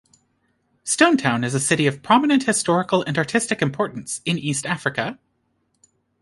Stone Town is a city of prominent historical and artistic importance in East Africa.